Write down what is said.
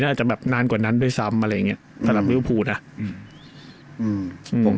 อาจจะแบบนานกว่านั้นด้วยซ้ำอะไรอย่างเงี้ยสำหรับลิเวอร์พูนะอืมผม